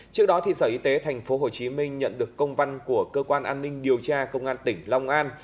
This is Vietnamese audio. trước đó sở y tế tp hcm nhận được công văn của cơ quan an ninh điều tra công an tỉnh long an